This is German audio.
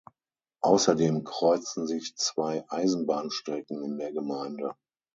Außerdem kreuzen sich zwei Eisenbahnstrecken in der Gemeinde.